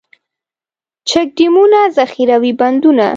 چک ډیمونه، ذخیروي بندونه.